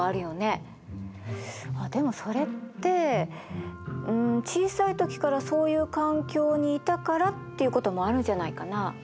あっでもそれってうん小さい時からそういう環境にいたからっていうこともあるんじゃないかな。